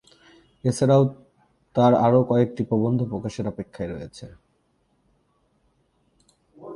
এছাড়াও তার আরো কয়েকটি প্রবন্ধ প্রকাশের অপেক্ষায় রয়েছে।